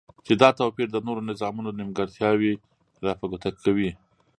چی دا توپیر د نورو نظامونو نیمګرتیاوی را په ګوته کوی